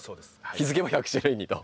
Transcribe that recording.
気付けば１００種類にと。